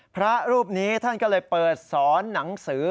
พระรูปนี้ท่านก็เลยเปิดสอนหนังสือ